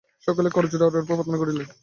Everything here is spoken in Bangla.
সকলেই করজোড়ে ঐরূপে প্রার্থনা করিলেন।